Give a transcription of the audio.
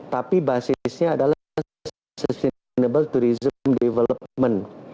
tapi basisnya adalah sustainable tourism development